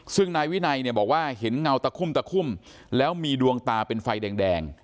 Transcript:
ซึ่งนายวินัยฮ่องเพบอกว่าเห็นเงาตะคุ่มแล้วมีดวงตาเป็นไฟแดง